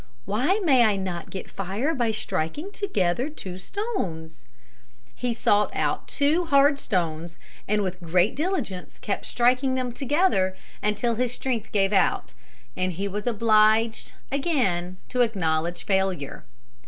Why may I not get fire by striking together two stones? He sought out two hard stones and with great diligence kept striking them together until his strength gave out, and he was obliged again to acknowledge failure.